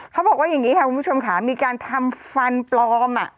เขาบอกว่าอย่างนี้ค่ะคุณผู้ชมค่ะมีการทำฟันปลอม